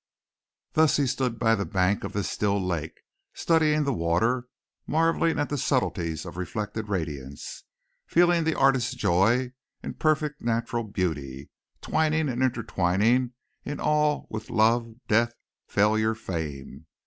Thus he stood by the bank of this still lake, studying the water, marvelling at the subtleties of reflected radiance, feeling the artist's joy in perfect natural beauty, twining and intertwining it all with love, death, failure, fame.